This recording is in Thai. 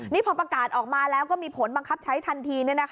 นี่พอประกาศออกมาแล้วก็มีผลบังคับใช้ทันที